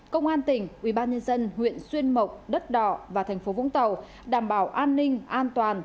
công an tỉnh ubnd huyện xuyên mộc đất đỏ và tp vũng tàu đảm bảo an ninh an toàn